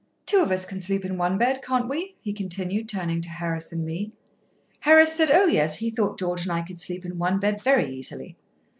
Two of us can sleep in one bed, can't we?" he continued, turning to Harris and me. Harris said, "Oh, yes;" he thought George and I could sleep in one bed very easily.